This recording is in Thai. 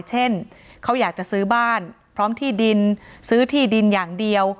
เช่นเขาอยากจะซื้อบ้านพร้อมที่ดินซื้อที่ดินอย่างเดียว